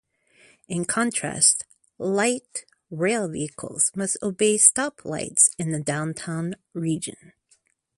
In contrast, light rail vehicles must obey stop lights in the downtown region.